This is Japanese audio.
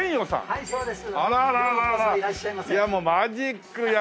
はいそうです。